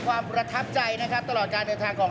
ความประทับใจตลอดการเดินทางของ